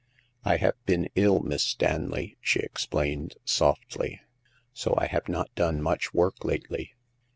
" I have been ill, Miss Stanley," she explained, softly, " so I have not done much work lately.